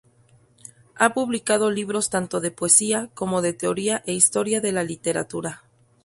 Ha publicado libros tanto de poesía, como de teoría e historia de la literatura.